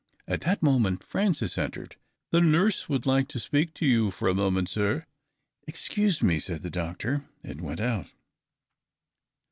At that moment Francis entered. " The nurse would like to speak to you for a moment, sir." "Excuse me," said the doctor, and went out.